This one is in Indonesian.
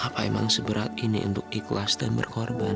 apa emang seberat ini untuk ikhlas dan berkorban